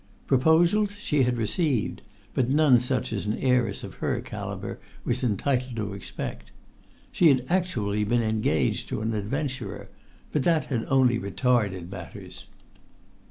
Proposals she had received, but none such as an heiress of her calibre was entitled to expect. She had actually been engaged to an adventurer; but that had only retarded matters.